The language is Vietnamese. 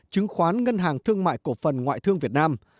chứng khoán ngân hàng thương mại cổ phần ngoại thương việt nam